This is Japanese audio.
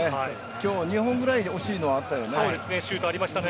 今日２本ぐらい惜しいのあったよね。